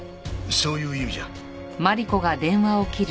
そういう意味じゃ。